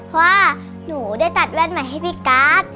เพราะว่าหนูได้ตัดแว่นใหม่ให้พี่การ์ด